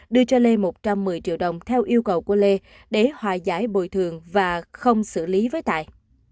đưa cho lê một trăm một mươi triệu đồng theo yêu cầu của lê để hòa giải bồi thường và không xử lý với tài